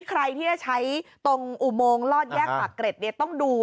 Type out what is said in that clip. ใครที่จะใช้อุโมงลอดแยกปากเกรทต้องดู